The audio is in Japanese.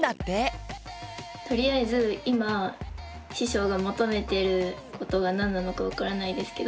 とりあえず今師匠が求めてることが何なのか分からないですけど